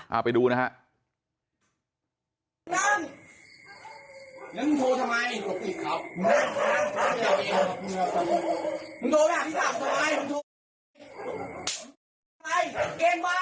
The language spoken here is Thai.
เอาไปดูนะครับ